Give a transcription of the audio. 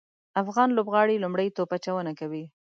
افغان لوبغاړي لومړی توپ اچونه کوي